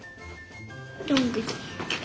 どんぐり。